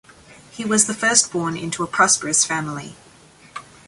He was the first born into a prosperous family.